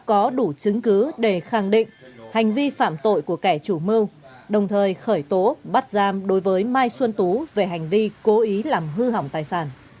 có đủ chứng cứ để khẳng định hành vi phạm tội của kẻ chủ mưu đồng thời khởi tố bắt giam đối với mai xuân tú về hành vi cố ý làm hư hỏng tài sản